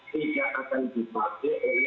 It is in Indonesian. tidak akan dipakai oleh orang yang tidak berkandung